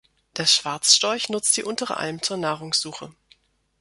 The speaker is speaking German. Der Schwarzstorch nutzt die untere Alm zur Nahrungssuche.